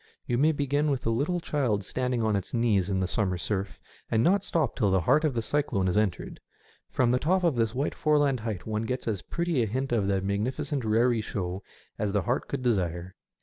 You may begin with the little child standing to its knees in the summer surf, and not stop till the heart of the cyclone is entered. From the top of this white foreland height one gets as pretty a hint of the magnificent raree show as the heart could desire.